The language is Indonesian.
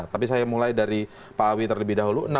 tapi saya mulai dari pak awi terlebih dahulu